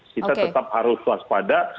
kita tetap harus waspada